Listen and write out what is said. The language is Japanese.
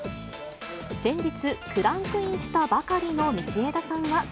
先日、クランクインしたばかりの道枝さんは。